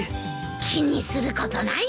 気にすることないよ。